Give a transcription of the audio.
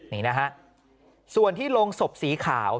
นี่นะฮะส่วนที่โรงศพสีขาว